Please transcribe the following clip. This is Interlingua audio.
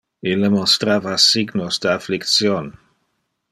Ille monstrava signos de affliction.